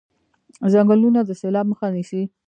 ځنګلونه د سیلاب مخه نیسي.